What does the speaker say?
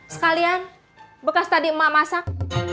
sekalian bekas tadi emak masak